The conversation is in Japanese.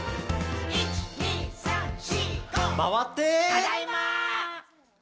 「ただいま！」